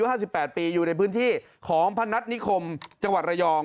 ๕๘ปีอยู่ในพื้นที่ของพนัฐนิคมจังหวัดระยอง